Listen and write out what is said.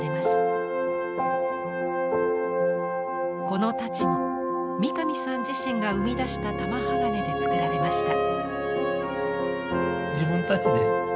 この太刀も三上さん自身が生み出した玉鋼でつくられました。